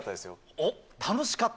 おっ、楽しかった。